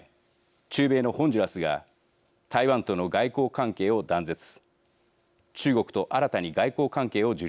中米のホンジュラスが台湾との外交関係を断絶中国と新たに外交関係を樹立しました。